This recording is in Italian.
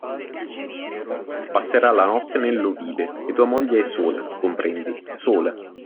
Passerà la notte nell'ovile, e tua moglie è sola, comprendi, sola.